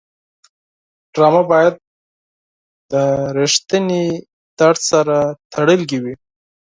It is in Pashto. ډرامه باید له رښتینې درد سره تړلې وي